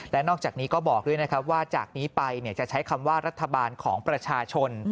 และนอกจากนี้ก็บอกด้วยนะครับว่าจากนี้ไปจะใช้คำว่ารัฐบาลของประชาชน